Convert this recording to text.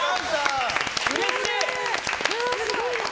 うれしい！